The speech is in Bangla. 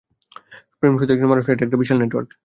প্রেম শুধু একজন মানুষ নয়, এটা বিশাল একটা নেটওয়ার্ক।